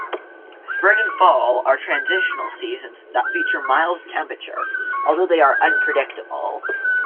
Spring and fall are transitional seasons that feature mild temperature although they are unpredictable.